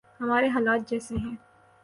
ہمارے حالات جیسے ہیں۔